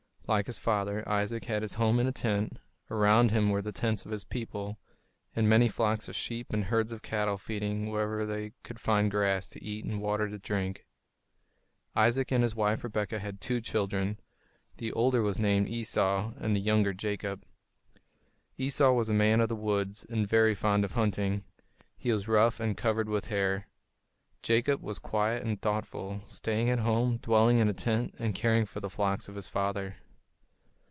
Like his father, Isaac had his home in a tent; around him were the tents of his people, and many flocks of sheep and herds of cattle feeding wherever they could find grass to eat and water to drink. Isaac and his wife Rebekah had two children. The older was named Esau and the younger Jacob. Esau was a man of the woods and very fond of hunting; and he was rough and covered with hair. Jacob was quiet and thoughtful, staying at home, dwelling in a tent, and caring for the flocks of his father.